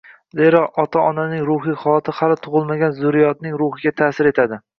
Zero, ota-onaning ruhiy holati hali tug‘ilmagan zurriyodning ruhiga ta’sir etadi.